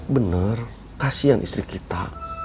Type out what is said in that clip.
benar kasihan istri kita